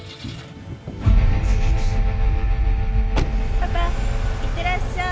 パパいってらっしゃーい。